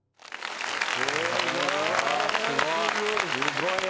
すごい。